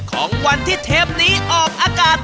ของวันที่เทปนี้ออกอากาศ